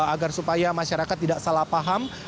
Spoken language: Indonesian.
agar supaya masyarakat tidak salah paham